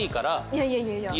いやいやいやいや。